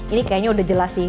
ini kayaknya udah jelas sih